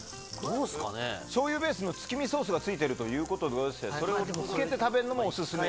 しょうゆベースの月見ソースがついてるということでして、それをつけて食べるのもお勧め。